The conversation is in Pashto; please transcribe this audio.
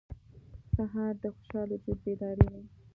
سهار د خوشحال وجود بیداروي.